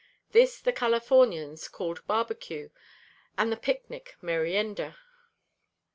This the Californians called barbecue and the picnic merienda.